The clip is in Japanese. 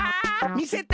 みせて。